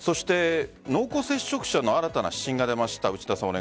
濃厚接触者の新たな指針が出ました。